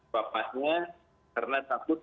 bapaknya karena takut